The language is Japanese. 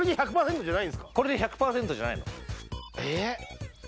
これで１００パーセントじゃないの。